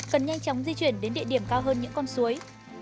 cần nhanh chóng di chuyển đến địa điểm cao hơn những con suối